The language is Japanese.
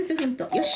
よし！